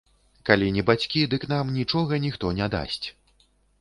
Калі не бацькі, дык нам нічога ніхто не дасць.